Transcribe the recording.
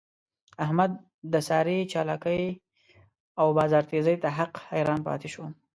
احمد د سارې چالاکی او بازار تېزۍ ته حق حیران پاتې شو.